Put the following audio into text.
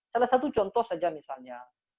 salah satu contoh saja misalnya